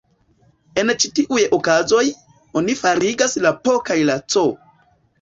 En ĉi tiuj okazoj, oni forigas la "P" kaj la "C".